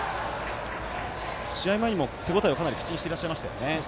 試合前にも手応えをかなり口にしていましたよね。